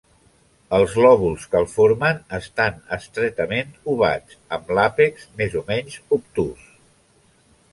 Els lòbuls que el formen estan estretament ovats, amb l'àpex més o menys obtús.